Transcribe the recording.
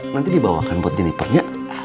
nanti dibawakan buat jenipernya